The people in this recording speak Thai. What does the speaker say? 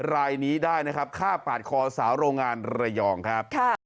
รายนี้ได้นะครับฆ่าปาดคอสาวโรงงานระยองครับ